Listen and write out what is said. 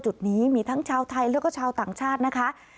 จุดนี้มีทั้งชาวไทยแล้วก็ชาวต่างชาตินะคะ